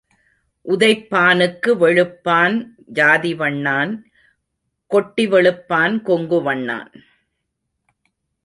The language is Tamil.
உதைப்பானுக்கு வெளுப்பான் ஜாதி வண்ணான் கொட்டி வெளுப்பான் கொங்கு வண்ணான்.